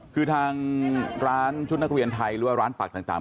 คือทางร้านชุดนักเรียนไทยหรือว่าร้านปากต่าง